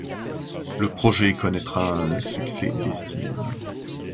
Le projet connaîtra un succès d'estime.